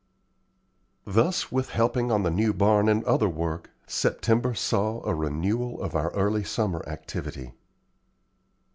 Thus, with helping on the new barn and other work, September saw a renewal of our early summer activity.